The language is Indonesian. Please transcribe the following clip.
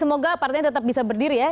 semoga partai ini tetap bisa berdiri ya